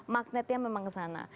magnetnya memang kesana